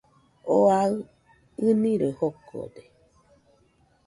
Oo aɨ ɨniroi jokode